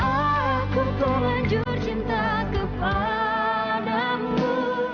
aku menjur cinta kepadamu